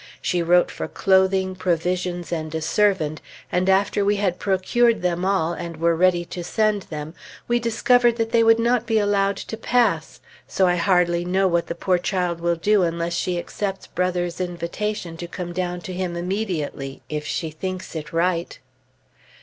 She wrote for clothing, provisions, and a servant, and after we had procured them all, and were ready to send them, we discovered that they would not be allowed to pass; so I hardly know what the poor child will do unless she accepts Brother's invitation to come down to him immediately, if she thinks it right.